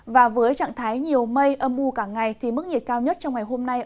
và với trạng thái nhiều mây âm mưu cả ngày thì mức nhiệt cao nhất trong ngày hôm nay